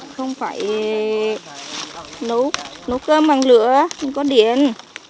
không phải nấu cơm bằng lửa mình có điện